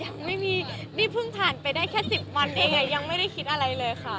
ยังไม่มีนี่เพิ่งผ่านไปได้แค่๑๐วันเองยังไม่ได้คิดอะไรเลยค่ะ